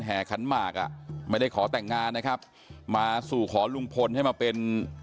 ขันหมากอ่ะไม่ได้ขอแต่งงานนะครับมาสู่ขอลุงพลให้มาเป็น